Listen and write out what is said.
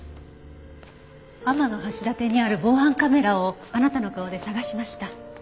天橋立にある防犯カメラをあなたの顔で捜しました。